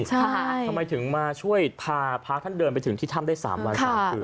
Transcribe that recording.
ทำไมถึงมาช่วยพาพระท่านเดินไปถึงที่ถ้ำได้๓วัน๓คืน